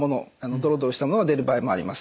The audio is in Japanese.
ドロドロしたものが出る場合もあります。